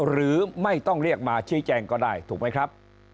หรือไม่ต้องเรียกมาชี้แจงก็ได้ถูกไหมครับ